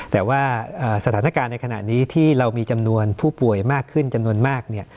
แต่ว่าสถานการณ์ในขณะนี้ที่เรามีจำนวนผู้ป่วยมากขึ้นจำนวนมากเนี่ย